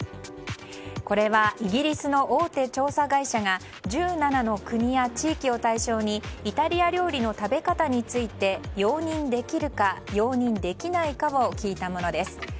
これはイギリスの大手調査会社が１７の国や地域を対象にイタリア料理の食べ方について容認できるか、容認できないかを聞いたものです。